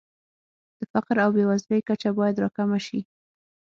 د فقر او بېوزلۍ کچه باید راکمه شي.